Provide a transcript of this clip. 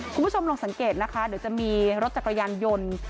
คุณผู้ชมลองสังเกตนะคะเดี๋ยวจะมีรถจักรยานยนต์